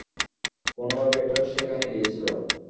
কোনোভাবে এটা সেখানে গিয়েছিল।